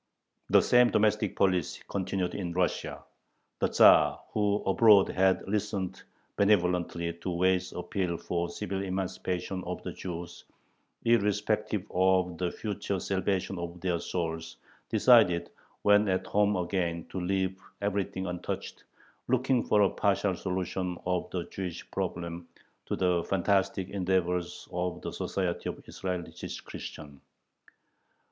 The same domestic policy continued in Russia. The Tzar, who abroad had listened benevolently to Way's appeal for the civil emancipation of the Jews, irrespective of the future salvation of their souls, decided, when at home again, to leave everything untouched, looking for a partial solution of the Jewish problem to the fantastic endeavors of the Society of Israelitish Christians.